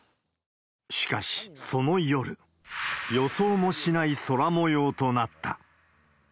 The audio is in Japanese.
しかし、その夜、予想もしない空模様となった。